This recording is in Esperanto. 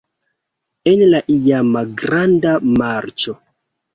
En la iama Granda Marĉo.